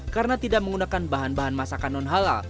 karena tidak menggunakan bahan bahan masakan non halal